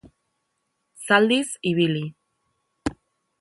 Zaldiz ibili.